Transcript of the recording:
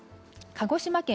鹿児島県